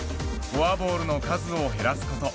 フォアボールの数を減らすこと。